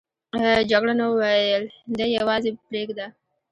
جګړن وویل دی یوازې پرېږده.